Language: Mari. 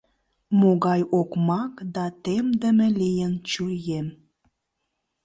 Могай окмак да темдыме лийын чурием.